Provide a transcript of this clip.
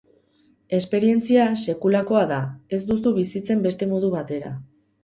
Esperientzia sekulakoa da, ez duzu bizitzen beste modu batera.